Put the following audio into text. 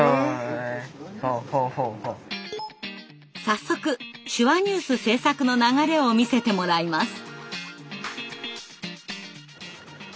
早速手話ニュース制作の流れを見せてもらいます。